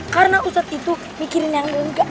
karena usadz itu mikirin yang engga